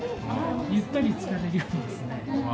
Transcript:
ゆったりつかれるようにですね。